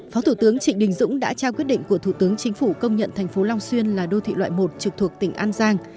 phó thủ tướng trịnh đình dũng đã trao quyết định của thủ tướng chính phủ công nhận thành phố long xuyên là đô thị loại một trực thuộc tỉnh an giang